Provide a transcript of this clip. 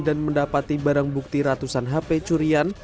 dan mendapati barang bukti ratusan hp curian